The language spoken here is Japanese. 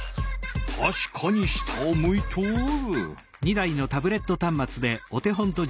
たしかに下を向いとる。